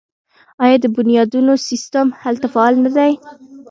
آیا د بنیادونو سیستم هلته فعال نه دی؟